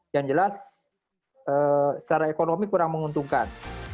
yang jelas secara ekonomi kurang menguntungkan